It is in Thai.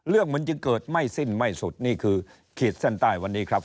เรื่องมันจึงเกิดไม่สิ้นไม่สุดนี่คือขีดเส้นใต้วันนี้ครับ